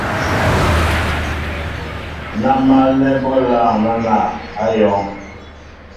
Ná málnɛ́ bɔ́ lâŋ náná , á yɔ̄ŋ.